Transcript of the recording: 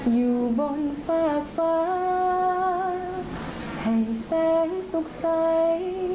อยู่บนฝากฟ้าแห่งแสงสุขใส